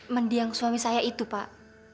mendiang suami saya itu pak